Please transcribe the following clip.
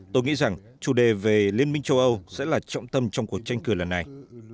tôi nghĩ rằng chủ đề về liên minh châu âu sẽ là trọng tâm trong cuộc tranh cử lần này